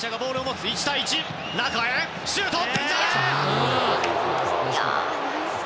シュート！